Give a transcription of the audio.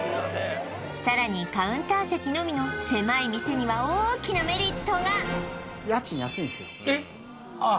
さらにカウンター席のみの狭い店には大きなメリットが家賃安いんすよえっああ